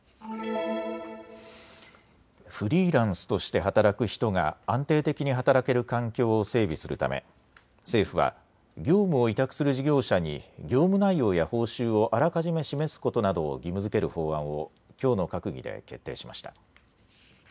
フリーランスとして働く人が安定的に働ける環境を整備するため政府は業務を委託する事業者に業務内容や報酬をあらかじめ示すことなどを義務づける法案をきょうの閣議で決定しました。